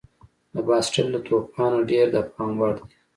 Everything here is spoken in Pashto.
د باسټیل له توپانه ډېر د پام وړ دي.